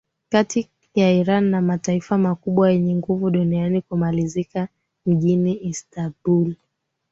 kati ya iran na mataifa makubwa yenye nguvu duniani kumalizika mjini istanbul